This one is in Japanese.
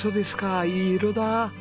いい色だ。